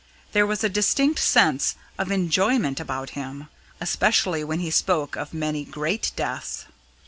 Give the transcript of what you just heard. There was a distinct sense of enjoyment about him, especially when he spoke of many great deaths.